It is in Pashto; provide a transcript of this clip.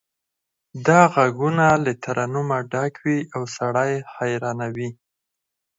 دا غږونه له ترنمه ډک وي او سړی حیرانوي